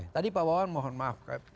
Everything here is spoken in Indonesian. tadi pak wawan mohon maaf